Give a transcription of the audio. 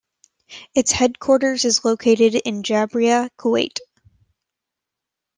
Its headquarters is located in Jabriya, Kuwait.